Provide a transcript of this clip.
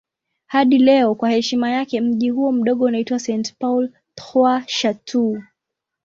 Hadi leo kwa heshima yake mji huo mdogo unaitwa St. Paul Trois-Chateaux.